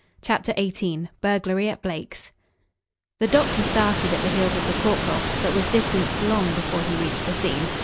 CHAPTER XVIII BURGLARY AT BLAKE'S The doctor started at the heels of the corporal, but was distanced long before he reached the scene.